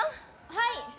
・はい！